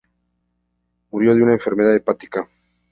Murió de una enfermedad hepática.